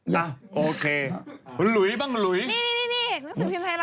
ลุยบ้างลุย